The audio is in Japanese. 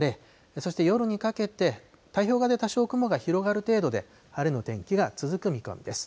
そして夜にかけて、太平洋側で多少雲が広がる程度で、晴れの天気が続く見込みです。